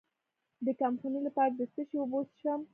د کمخونۍ لپاره د څه شي اوبه وڅښم؟